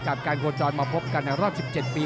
กับการโฆฏจอดมาพบกัน๑๗ปี